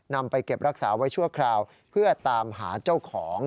นำไปเก็บรักษาไว้ชั่วคราวเพื่อตามหาเจ้าของ